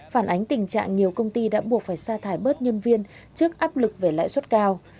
phản ánh tình trạng nhiều công ty đã buộc phải sa thải bớt nhân viên trước áp lực về lãi suất cao